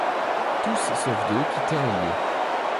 Tous, sauf deux, quittèrent les lieux.